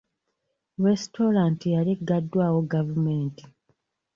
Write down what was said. Restaurant yali eggaddwawo gavumenti.